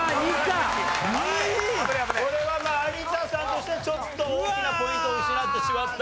これはまあ有田さんとしてはちょっと大きなポイントを失ってしまった。